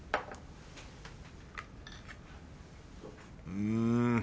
うん。